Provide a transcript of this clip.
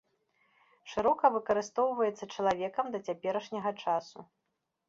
Шырока выкарыстоўваецца чалавекам да цяперашняга часу.